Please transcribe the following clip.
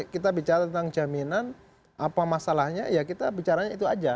kita bicara tentang jaminan apa masalahnya ya kita bicaranya itu aja